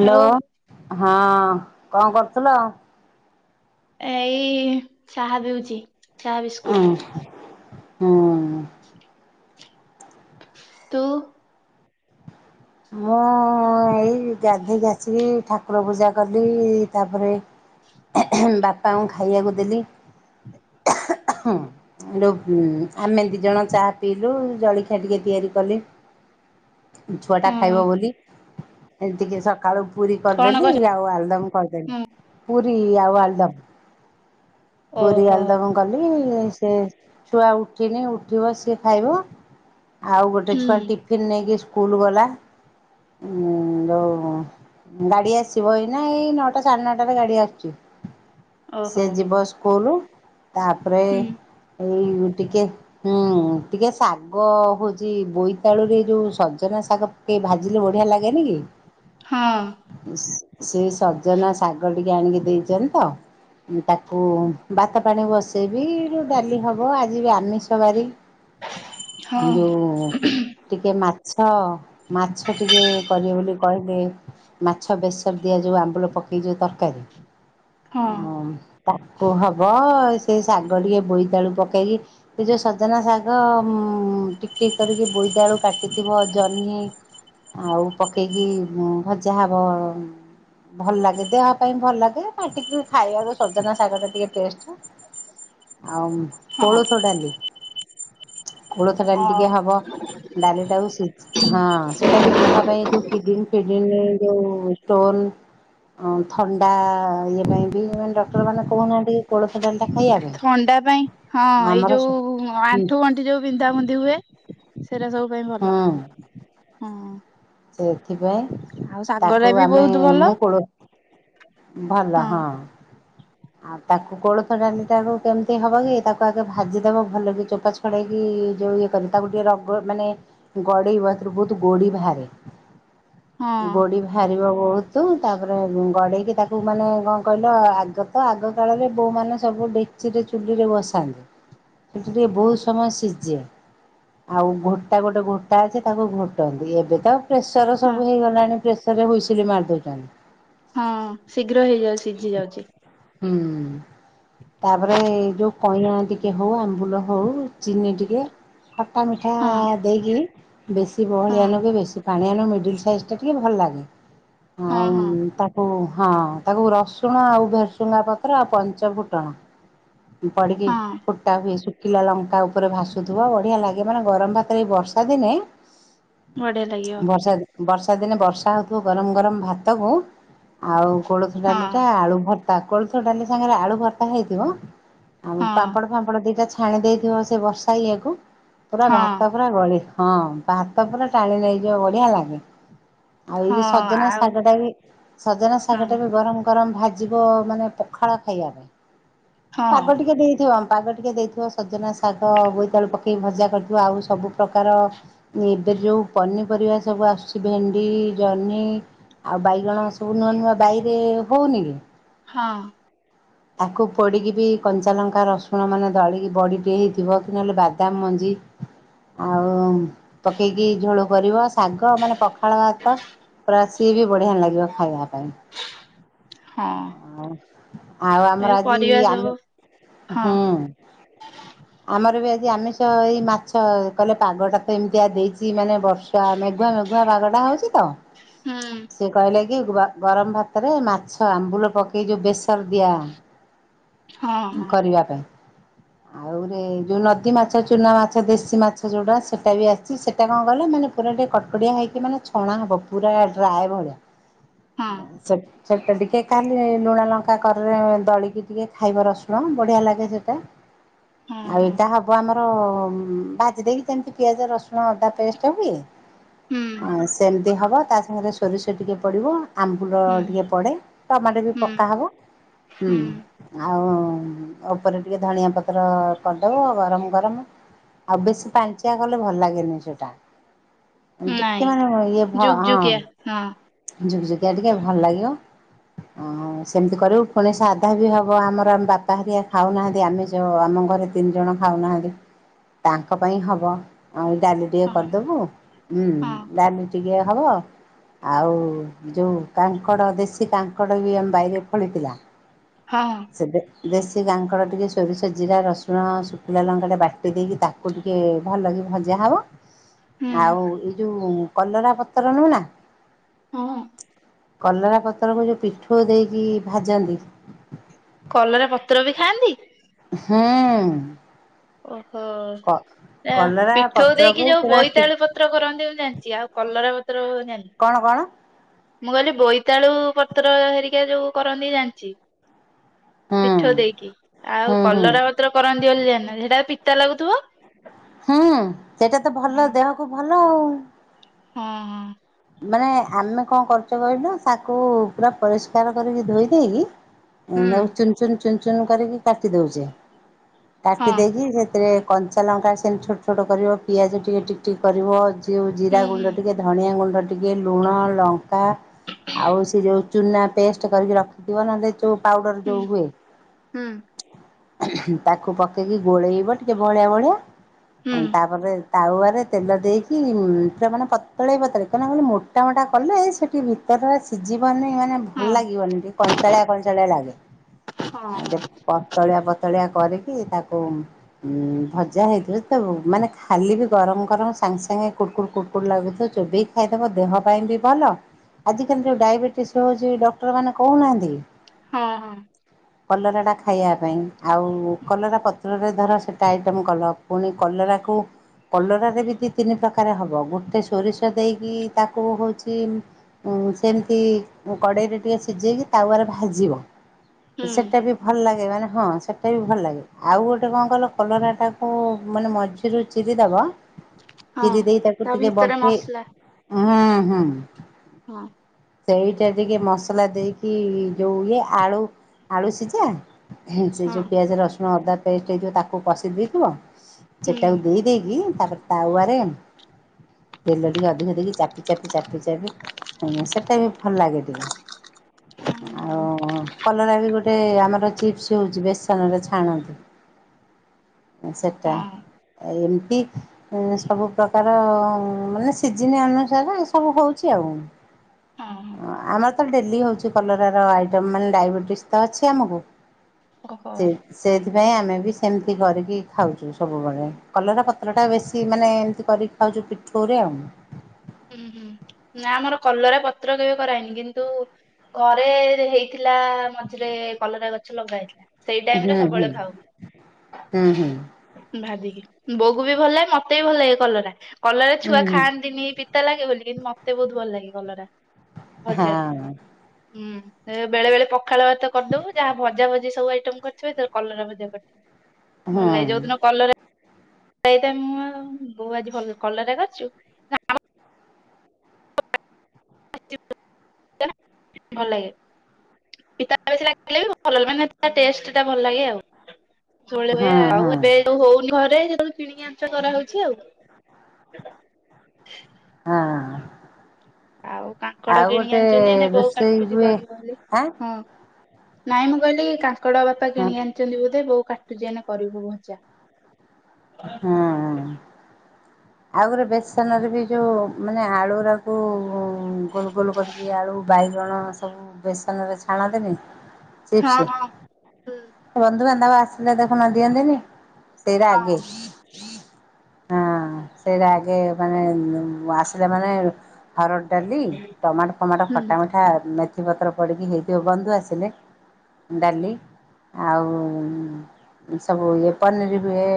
ହଉ ହଁ କଣ କରୁଥିଲ? ଏ ଏଇ ଚାହା ପିଉଛି। ଚାହା ବିସ୍କୁଟ ହଁ ହୁଁ। ତୁ। ମୁଁ ଏଇ ଗାଧେଇ ଆସିକି ଠାକୁର ପୂଜା କଲି ତାପରେ ବାପାଙ୍କୁ ଖାଇବାକୁ ଦେଲି। ଆମେ ଦିଜଣ ଚାହା ପିଇଲୁ ଜଳଖିଆ ଟିକେ ତିଆରି କଲି। ଛୁଆ ଟା ଖାଇବ ହୁଁ ବୋଲି ଏମିତିକି ସକାଳୁ ପୁରୀ କଣ କରିଦେଲି କର ଆଉ ଆଳୁଦମ କରିଦେଲି। ହୁଁ ପୁରି ଆଉ ଆଳୁଦମ ପୁରି ଓହୋ। ଆଳୁଦମ। କଲି ସେ ଛୁଆ ଉଠିନି ଉଠିବ ସିଏ ଖାଇବ। ଆଉ ଗୋଟେ ହୁଁ ଛୁଆ ଟିଫିନ ନେଇକି ସ୍କୁଲ ଗଲା ଉ ଯୋଉ ଗାଡି ଆସିବ ଏଇନା ଏଇ ନଅଟା ସାଢେ ନଅଟାରେ ଗାଡି ଆସୁଛି। ସେ ଓହୋ ଯିବ ସ୍କୁଲ ତାପରେ ହୁଁ ଏଇ ଟିକେ ହୁଁ ଟିକେ ଶାଗ ହଉଛି ବୋଇତାଳୁରେ ଯୋଉ ସଜନା ଶାଗ ଟିକେ ଭାଜିଲେ ବଢିଆ ଲାଗେନି କି? ହଁ। ସେ ସଜନା ଶାଗ ଟିକେ ଆଣିକି ଦେଇଚନ୍ତି ତ। ତାକୁ ବାତ ପାଣି ବସେଇବି ଡାଲି ହବ ଆଜି ବି ଆମିଷବାରି। ହଁ। ଟିକେ ମାଛ ମାଛ ଟିକେ କରିବେ ବୋଲି କହିଲେ। ମାଛ ବେସର ଦିଆଯିବ ଆମ୍ବୁଳ ପକାଇ ଯଉ ତରକାରୀ ହଁ। ତାକୁ ହବ ସେ ଶାଗ ଟିକେ ବୋଇତାଳୁ ପକେଇକି ଏ ଯୋଉ ସଜନା ଶାଗ ଉ ଟିକ୍ ଟିକ୍ କରିକି ବୋଇତାଳୁ କାଟିଥିବ ଜ ଆଉ ପକେଇକି ଭଜା ହବ। ଭଲ ଲାଗେ ଦେହ ପାଇଁ ଭଲ ଲାଗେ ପାଟିକି ଖାଇବାକୁ ସଜନା ଶାଗ ଟା ଟିକେ ଟେଷ୍ଟ। ଆଉ ହଁ କୋଳଥ ଡାଲି। କୋଳଥ ଡାଲି ଅ ଟିକେ ହବ ଡାଲି ଟାକୁ ସି ହଁ ସେଟା ବି ଦେହ ପାଇଁ ଯୋଉ କିଡୋ ଫିଡ଼ିନ୍ ରେ ଯୋଉ ଷ୍ଟୋନ୍ ଅ ଥଣ୍ଡା ଇଏ ପାଇଁ ବି ମାନେ ଡକ୍ଟରମାନେ କହୁନାହାନ୍ତି କୋଳଥ ଡାଲିଟା ଖାଇବା ପାଇଁ ଥଣ୍ଡା ପାଇଁ ହଁ ଏଇ ଆମର ଯୋଉ ହୁଁ ଆଣ୍ଠୁ ଗଣ୍ଠି ଯୋଉ ବିନ୍ଧାବନ୍ଧି ହୁଏ, ସେରା ସବୁ ପାଇଁ ଭଲ ହୁଁ ହୁଁ। ସେଥିପାଇଁ ତାକୁ ବି ଆମେ ବହୁତ ଭଲ ମୁଁ କୋଳ ଭଲ ହଁ ଆଉ ତାକୁ କୋଳଥ ଡାଲି ତାକୁ କେମ ତି ହବ କି ତାକୁ ଆଗ ଭାଜିଦବ ଭଲ କି ଚୋପା ଛଡ଼େଇକି ଯୋଉ ଇଏ କରିି ତାକୁ ଟିକେ ରଗ ମାନେ ଗଡ଼େଇବ ହେତୁରୁ ବହୁତ ଗଡ଼ି ବାହାରେ ହଁ। ଗଡ଼ି ବାହାରିବ ବହୁତ ତାପରେ ଗଡ଼େଇକି ତାକୁ ମାନେ କଣ କହିଲ ଆଗ ତ ଆଗ କାଳରେ ବୋଉମାନେ ସବୁ ଡେକ୍ଚିରେ ଚୁଲିରେ ବସାନ୍ତି। ସେଠି ଟିକେ ବହୁତ ସମୟ ସିଝେ। ଆଉ ଘୋଟା ଗୋଟେ ଘୋଟା ଅଛି ତାକୁ ଘୋଟନ୍ତି, ଏବେ ତ ପ୍ରେସର ହଁ ସବୁ ହେଇଗଲାଣି ପ୍ରେସର ରେ ହୁଇସିଲି ମାରିଦଉଛନ୍ତି। ହଁ ଶୀଘ୍ର ହେଇଯାଉଛି ସିଝି ଯାଉଛି। ହୁଁ ତାପରେ ଯୋଉ କଇଁଆ ଟିକେ ହଉ ଆମ୍ବୁଲ ହଉ ଚିନି ଟିକେ ଖଟା ମିଠା ହଁ। ଦେଇକିରି ବେଶୀ ହଁ ବହଳିଆ ନୁହଁ କି ବେଶୀ ପାଣିଆ ନୁହଁ ମିଡିଲ ସାଇଜ୍ ଟା ଟିକେ ଭଲ ଲାଗେ। ହଁ ଆଉ ହଁ। ତାକୁ ହଁ ତାକୁ ରସ ଫୁଟୁଣ ଆଉ ଭେରସୁଙ୍ଗା ପତ୍ର ଆଉ ପଞ୍ଚ ଫୁଟଣ ପଡିକି ହଁ ଫୁ ଟା ହୁଏ ଶୁଖିଲା ଲଙ୍କା ଉପରେ ଭାସୁଥିବ ବଢିଆ ଲାଗେ ମାନେ ଗରମ ଭାତରେ ଏ ବର୍ଷା ଦିନେ ବଢିଆ ଲାଗିବ ବର୍ଷା ବର୍ଷା ଦିନେ ବର୍ଷା ହଉଥିବ ଗରମ ଗରମ ଭାତ କୁ ଆଉ କୋଳଥ ହଁ ଡାଲି ଟା ଆଳୁ ଭର୍ତ୍ତା କୋଳଥ ଡାଲି ସାଙ୍ଗରେ ଆଳୁ ଭର୍ତ୍ତା ହେଇଥିବ। ଆଉ ହଁ ପାମ୍ପଡ ଫାମ୍ପଡ ଦିଟା ଛାଣି ଦେଇଥିବ ସେ ବର୍ଷା ଇଏକୁ ପୁରା ହଁ। ଭାତ ପୁରା ଗଳି ହଁ ଭାତ ପୁରା ଟାଣି ନେଇଯିବ ବଢିଆ ଲାଗେ। ଆଉ ଏଇ ହଁ ଯୋଉ ସଜନା ଆଉ ଶାଗ ଟା ବି ସଜନା ହଁ ଶାଗ ଟା ବି ଗରମ ଗରମ ଭାଜିବ ମାନେ ପଖାଳ ଖାଇବା ପାଇଁ ହଁ ପାଗ ଟିକେ ଦେଇଥିବ ଆମେ ପାଗ ଟିକେ ଦେଇ ଥିବ ସଜନା ଶାଗ ବୋଇତାଳୁ ପକେଇକି ଭଜା କରିଥିବ ଆଉ ସବୁ ପ୍ରକାର ଏବେ ଯୋଉଁ ପନିପରିବା ସବୁ ଆସୁଛି ଭେଣ୍ଡି, ଜହ୍ନି ଆଉ ବାଇଗଣ ସବୁ ନୂଆ ନୂଆ ବାଇରେ ହଉନି କି ହଁ। ତାକୁ ପୋଡ଼ିକି ବି କଞ୍ଚା ଲଙ୍କା ରସୁଣ ମାନେ ଦଳିକି ବଡ଼ିି ଟିକେ ହେଇଥିବ କି ନହେଲେ ବାଦାମ ମଞ୍ଜି ଆଉ ପକେଇକି ଝୋଳ କରିବ। ଶାଗ ମାନେ ପଖାଳ ଭାତ ପୁରା ସିଏ ବି ବଢିଆ ଲାଗିବ ଖାଇବା ପାଇଁ। ହଁ। ଆଉ ଆଉ ଏ ଆମର ଆଜି ପରିବା ଆମେ ସବୁ ହଁ ହୁଁ ଆମର ବି ଆଜି ଆମିଷ ଏଇ ମାଛ କହିଲ ପାଗଟା ତ ଏମିତିଆ ଦେଇଛି ମାନେ ବର୍ଷା ମେଘୁଆ ମେଘୁଆ ପାଗ ଟା ହଉଛି ତ। ହୁଁ। ସେ କହିଲା କି ଗ ଗରମ ଭାତରେ ମାଛ ଆମ୍ବୁଲ ପକେଇ ଯୋଉ ବେସର ଦିଆ ହଁ ହଁ କରିବା ପାଇଁ ଆଉ ଆଉରେ ଯୋଉ ନଦୀ ମାଛ ଚୁନା ମାଛ ଦେଶୀ ମାଛ ଯୋଉଟା ସେଟା ବି ଆସିଛି ସେଟା କଣ କହିଲ ମାନେ ପୁରା ଟିକେ କଟକଡିଆ ହେଇକି ମାନେ ଛଣା ହବ ପୁରା ଡ୍ରାଏ ଭଳିଆ। ହଁ ସେଟ ସେଟା ଟିକେ ଖାଲି ଲୁଣ ଲଙ୍କା କରରେ ଦଳିକି ଟିକେ ଖାଇବା ରସୁଣ ବଢ଼ିଆ ଲାଗେ ସେଇଟା ହଁ ଆଉ ଏ ହଁ ତାହାବ ବ ଆମର ଭାଜି ଦେଇକି ଯେମିତି ପିଆଜ ରସୁଣ ଅଦା ପେଷ୍ଟ ହୁଏ ହୁଁ ଅ ସେମିତି ହବ ତା ସାଙ୍ଗରେ ସୋରିଷ ଟିକେ ପଡିବ ଆମ୍ବୁଲ ହୁଁ ଟିକେ ପଡେ, ଟମାଟେ ବି ହୁଁ ପକା ହବ ହୁଁ। ଆଉ ଉପରେ ଟିକେ ଧଣିଆ ପତ୍ର କରିଦବ, ଗରମ୍ ଗରମ୍ ଆଉ ବେଶୀ ପାଣିଞ୍ଚିଆ କଲେ ଭଲ ଲାଗେନି ସେଟା। ଟିକେ ନାଇଁ ମାନେ ଇଏ ଭ, ହଁ ଯୁକ୍ ଯୁକିଆ ଟିକେ ଭଲ ଲାଗିବ ଆଉ ସେମିତି କରିବୁ, ପୁଣି ସାଧା ବି ହବ। ହଉ ଆମର ଆମ ବାପା ହାରିଆ ଖାଉନାହାନ୍ତି, ଆମେ ଯଉ ଆମ ଘରେ ତିନି ଜଣ ଖାଉନାହାନ୍ତି। ତାଙ୍କ ପାଇଁ ହବ, ଆଉ ଏଇ ଡାଲି ଟିକେ ହଁ କରିଦବୁ, ଉଁ ହଁ ଡାଲି ଟିକେ ହବ ଆଉ ଯୋଉ କାଙ୍କଡ଼, ଦେଶୀ କାଙ୍କଡ଼ ବି ଆମ ବାଇରେ ଫଳିଥିଲା ହଁ ହଁ। ସେ ଦେ ଦେଶୀ କାଙ୍କଡ଼ ଟିକେ ସୋରିଷ, ଜିରା, ରସୁଣ, ଶୁଖିଲା ଲଙ୍କାଟା ବାଟି ଦେଇକି ତା ତାକୁ ଟିକେ ଭଲକି ଭଜା ହବ ହୁଁ ଆଉ ଏଇ ଯୋଉ କଲରା ପତ୍ର ନୁହ ନା ହଁ କଲରା ପତ୍ରକୁ ଯୋଉ ପିଠଉ ଦେଇକି ଭାଜନ୍ତି କଲରା ପତ୍ର ବି ଖାଆନ୍ତି? ହୁଁ ଉଁ ଓହୋ, ନା କଲରା ପିଠଉ ପତ୍ରକୁ ଦେଇକି ଯୋଉ ପୁରା ଟି ବୋଇତାଳୁ ପ ପତ୍ର କରନ୍ତି ମୁଁ ଜାଣିଚି, ଆଉ କଲରା ପତ୍ର ଜାଣିନି। କଣ କଣ? ମୁଁ କହିଲି ବୋଇତାଳୁ ପତ୍ର ହେରିକା ଯୋଉ କରନ୍ତି ଜାଣିଚି। ହୁଁ ପିଠଉ ଦେଇକି, ଆଉ ହୁଁ ହୁଁ କଲରା ପ କରନ୍ତି ବୋଲି ଜାଣିନି, ହେଟା ପିତା ଲାଗୁଥିବ? ହୁଁ, ସେଇଟା ତ ଭଲ ଦେହକୁ ଭଲ ଆଉ। ହଁ ହଁ। ମାନେ ଆମେ କଣ କରୁଚେ କହିଲୁ, ତାକୁ ପୁରା ପରିଷ୍କାର କରିକି ଧୋଇ ଦେଇକି ହୁଁ ତାକୁ ଚୁନ୍ ଚୁନ୍ ଚୁନ୍ ଚୁନ୍ କରିକି କାଟି ଦଉଚେ, ହଁ କାଟି ଦେଇକି ସେଥିରେ କଞ୍ଚା ଲଙ୍କା ସେମିତି ଛୋଟ୍ ଛୋଟ୍ କରିବ, ପିଆଜ ଟିକେ ଟିକ୍ ଟିକ୍ କରିବ, ଉ ଜିରା ହୁଁ ହୁଁ ଗୁଣ୍ଡ ଟିକେ ଧଣିଆ ଗୁଣ୍ଡ ଟି ଟିକେ, ଲୁଣ ଲଙ୍କା ଆଉ ସେ ଯୋଉ ଚୁନା ପେଷ୍ଟ୍ କରିକି ରଖିଥିବ, ନହେଲେ ଯଉ ପାଉଡର୍ ହୁଁ ଯଉ ହୁଏ ହୁଁ ତାକୁ ପକେଇକି ଗୋଳେଇବ ଟିକେ ବହଳିିଆ ବହଳିିଆ, ଅ ହୁଁ ତାପରେ ତାୱଆରେ ତେଲ ଦେଇକି, ପୁରା ମାନେ ପତଳେଇ ପତଳେଇ କାଇଁ ନା କହିଲୁ ମୋଟା ମୋଟା କଲେ, ସେ ଟିକେ ଭିତରରା ସିଝିବନି ମାନେ ଭଲ ହଁ ଲାଗିବନି, ଟିକେ କଞ୍ଚାଳିଆ କଞ୍ଚାଳିଆ ଲାଗେ, ହଁ ଆଉ ପ ପତଳିଆ ପତଳିଆ କରିକି ତାକୁ ଉଁ ଭଜା ହେଇଥିବ, ତ ମାନେ ଖାଲି ବି ଗରମ୍ ଗରମ୍ ସାଙ୍ଗେ ସାଙ୍ଗେ କୁଡ୍ କୁଡ୍ କୁଡ୍ କୁଡ୍ କୁଡ଼୍ ଲାଗୁଥିବ, ଚୋବେଇକି ଖାଇଦବ, ଦେହ ପାଇଁ ବି ଭଲ ଆଜିକାଲି ଯୋଉ ଡାଇବେଟିସ୍ ର ଯୋଉ ଡକ୍ଟର ମାନେ କହୁନାହାନ୍ତି କି ହଁ ହଁ। କଲରା ଟା ଖାଇବା ପାଇଁ, ଆଉ କଲରା ପତ୍ ପତ୍ରରେ ଧର ସେଇଟା ଆଇଟମ୍ କଲ, ପୁଣି କଲରାକୁ କଲରାରେ ବି ଦିଇ ତିନି ପ୍ରକାର ହବ, ଗୋଟେ ସୋରିଷ ଦେଇକି ତାକୁ ହଉଚି ସେମିତି କଡ଼େଇରେ ଟିକେ ସିଝେଇକି ତାୱାରେ ଭାଜିବ, ହୁଁ ସେଇଟା ବି ଭଲ ଲାଗେ, ମାନେ ହଁ, ସେଇଟା ବି ଭଲ ଲାଗେ, ଆଉ ଗୋଟେ କଣ କହିଲ କଲରାଟାକୁ ମାନେ ମଝି ରୁ ଚିରି ଦବ, ହଁ ଚିରି ଦେଇ ତାକୁ ତା ଟିକେ ଭିତରେ ବମ୍ପେଇ ମସଲା ହଁ ହଁ ହଁ। ହଁ। ସେଇଟା ଟିକେ ମସଲା ଦେଇକି ଯୋଉ ଇଏ ଆଳୁ ଆଳୁ ସିଝା। ସେ ହଁ ଯୋଉ ପିଆଜ ରସୁଣ ଅଦା ପେଷ୍ଟ ହେଇଥିବ ତାକୁ କଷି ଦେଇଥିବ। ହୁଁ ସେଇଟାକୁ ଦେଇ ଦେଇକି ତାପରେ ତାୱାରେ ତେଲ ରେ ଟିକେ ଅଧିକ ଦେଇକି ଚାପି ଚାପି ଚାପି ଚାପି ସେଇଟା ବି ଭଲ ଲାଗେ ଟିକେ। ହଁ ଆଉ କଲରା ବି ଗୋଟେ ଗୋଟ ଆମର ଚିପ୍ସ ହଉଛି ବେସନ ରେ ଛାଣନ୍ତି। ସେଟା ହଁ ଏମିତି ସବୁ ପ୍ରକାର ମାନେ ସିଜିନ୍ ଅନୁସାରେ ଏ ସବୁ ହଉଛି ଆଉ। ହଁ ଆମର ଡେଲି ହଉଛି କଲରାର ଆଇଟମ ମାନେ ଡାଇବେଟିସ୍ ତ ଅଛି ଆମକୁ। ଓହୋ ସେ ସେଇଥିପାଇଁ ଆମେ ବି ସେମିତି କରିକି ଖାଉଛୁ ସବୁବେଳେ କଲରା ପତ୍ରଟା ବେଶୀ ମାନେ ଏମିତି କରି ଖାଉଚୁ ପିଠଉ ରେ ଆଉ। ହୁଁ ହୁଁ। ନା ଆମର କଲରା ପତ୍ର କେବେ କରାଏନି। କିନ୍ତୁ ଘରେ ହେଇଥିଲା ମଝିରେ କଲରା ଗଛ ଲଗା ହେଇଥିଲା। ସେଇ ଟାଇମ ରେ ହୁଁ ହୁଁ ସବୁବେଳେ ଖାଉ ହୁଁ ହୁଁ ଭାଜିକି। ବୋଉକୁ ବି ଭଲ ଲାଗେ ମତେ ବି ଭଲ ଲାଗେ କଲରା। କଲରା ହୁଁ ଛୁଆ ଖାଆନ୍ତିନି। ପିତା ଲାଗେ ବୋଲି କିନ୍ତୁ ମତେ ବହୁତ ଭଲ ଲାଗେ କଳରା ହୁଁ ଭଜା ହଁ ହୁଁ। ବେଳେ ବେଳେ ପଖାଳ ଭାତ କରିଦବୁ ଯାହା ଭଜା ଭଜି ସବୁ ଆଇଟମ କରିଥିବେ ତ କଲରା ଭଜା କରିଥିବେ। ହୁଁ ଭଲ ଲାଗେ ଯୋଉଦିନ କଲରା [unintelligible] ବୋଉ ଆଜି ଭଲ କଲରା କରିଛୁ? [unintelligible] ଭଲ ଲାଗେ। [unintelligible] ମାନେ ଟେଷ୍ଟ ଟା ଭଲ ଲାଗେ ଆଉ। ସବୁବେଳେ ହଁ ହୁଏ। ହଁ ଆଉ ଏବେ ହଉନି ଘରେ ଯେତେବେଳେ କିଣିକି ଆଣୁଚୁ କରାହଉଛି ଆଉ। ଆଁ। ଆଉ କାଙ୍କଡ କିଣି ଆଣିଚୁ ନେନେ ବୋଉ ରୋଷେଇ କାଟୁଛି ହୁଏ କରିବ ବୋଲି। ଆଁ ହଁ। ନାଇଁ ମୁଁ କହିଲି କି କାଙ୍କଡ ବାପା ହଁ କିଣିକି ଆଣିଛନ୍ତି ବୋଧେ ବୋଉ କାଟୁଛି ଏଇନେ କରିବୁ ଭଜା। ହଁ। ଆଉ ଗୋରେ ବେସନରେ ବି ଯେଉଁ ମାନେ ଆଳୁରାକୁ ଗୋଲ ଗୋଲ କରିକି ଆଳୁ ବାଇଗଣ ସବୁ ବେସନରେ ଛାଣନ୍ତିନି ଚିପ୍ସ। ହଁ ହଁ ହୁଁ ବନ୍ଧୁ ବାନ୍ଧବ ଆସିଲେ ଦେଖୁନ ଦିଅନ୍ତିନି। ସେଇରା ଆଗେ। ହଁ ସେଇରା ଆଗେ ମାନେ ଆସିଲେ ମାନେ ହରଡ଼ ଡାଲି ଟମାଟୋ ଫମାଟୋ ହୁଁ ଖଟା ମିଠା ମେଥିପତ୍ର ପଡ଼ିକି ହେଇଥିବ ବନ୍ଧୁ ଆସିଲେ। ଡାଲି। ଆଉ ସବୁ ଇଏ ପନିର ବି ହୁଏ।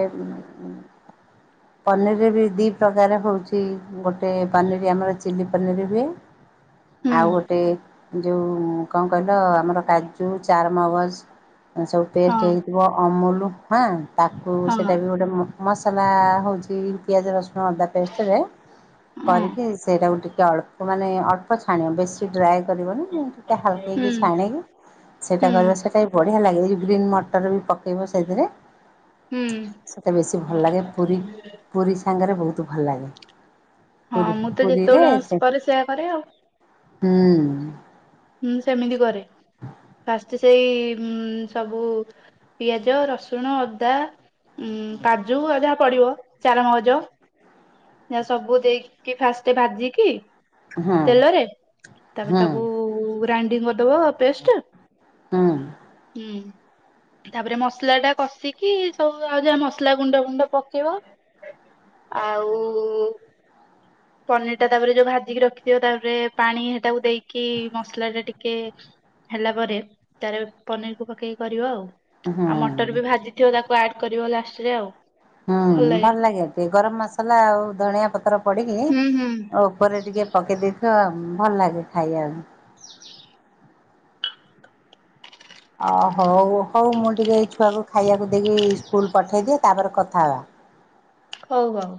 ପନିରିବି ଦୁଇ ପ୍ରକାର ହେଉଛି ଗୋଟେ ପନିର ଆମର ଚିଲ୍ଲିପନିର ହୁଏ। ହୁଁ ଆଉ ଗୋଟେ ଯେଉଁ କଣ କହିଲ ଆମର କାଜୁ ଚାରମଗଜ ସବୁ ପେଷ୍ଟ ହଁ ହେଇଥିବ ଅମୁଲ ହଁ ତାକୁ ସେଇଟା ହଁ ବି ଗୋଟେ ମସଲା ହେଉଛି ପିଆଜ ରସୁ ଅଦା ପେଷ୍ଟରେ ଅଁ କରିକି ସେଇଟାକୁ ଟିକେ ଅଳ୍ପ ମାନେ ଅଳ୍ପ ଛାଣିବ ବେଶୀ ଡ୍ରାଏ କରିବନି ଟିକେ ହୁଁ ହାଲକେଇକି ଛାଣିକି ସେଇଟା ହୁଁ କରିବା ସେଇଟା ବଢିଆ ଲାଗେ ଗ୍ରୀନ୍ ମଟର ବି ପକେଇବ ସେଥିରେ। ହୁଁ ସେଟା ବେଶୀ ଭଲ ଲାଗେ ପୁରୀ ପୁରୀ ସାଙ୍ଗରେ ବହୁତ ଭଲ ଲାଗେ। ହଁ ପୁରୀ ମୁଁ ତ ପୁରୀରେ ଯେତେବେଳେ ଅଁସ ସେ ପରେ ସେୟା କରେ ଆଉ ହୁଁ। ହୁଁ ସେମିତି କରେ ପାସ୍ତ୍ ସେଇ ଉଁ ସବୁ ପିଆଜ ରସୁଣ ଅଦା ଉୁଁ କାଜୁ ଆଉ ଯାହା ପଡିବ ଚାର ମଗଜ ନା ସବୁ ଦେଇକି ଫାଷ୍ଟ ଭାଜିକି ହୁଁ ତେଲରେ ତାପରେ ହୁଁ ତାକୁ ଗ୍ରାଇଣ୍ଡିଙ୍ଗ କରିଦବ ପେଷ୍ଟ ହୁଁ। ହୁଁ। ତାପରେ ମସଲା ଟା କଷିକି ସବୁ ଆଉ ଯାହା ମସଲା ଗୁଣ୍ଡ ଫୁଣ୍ଡ ପକେଇବ ଆଉ ପନିର ଟା ତାପରେ ଯୋଉ ଭାଜିକି ରଖିଥିବ ତାପରେ ପାଣି ସେଟାକୁ ଦେଇକି ମସଲା ଟା ଟିକେ ହେଲା ପରେ ତାର ପନିରକୁୁ ପକେଇକି କରିବ ଆଉ। ହୁଁ ଆଉ ମଟର ବି ଭାଜିଥିବ ତାକୁ ଆଡ କରିବ ଲାଷ୍ଟରେ ଆଉ। ହୁଁ ଭଲ ଲାଗେ ଟିକେ ଗରମ ମସଲା ଆଉ ଧଣିଆ ପତ୍ର ପଡିକି ହୁଁ ହୁଁ ଉପରେ ଟିକେ ପକେଇ ଦେଇେଥ ଭଲ ଲାଗେ ଖାଇବାକୁ। ଅ ହଉ ହଉ ମୁଁ ଟିକେ ଏଇ ଛୁଆକୁ ଖାଇଆକୁ ଦେଇକି ସ୍କୁଲ ପଠେଇଦିଏ ତାପରେ କଥା ହେବା। ହ [inaudible] ହଉ ହଉ।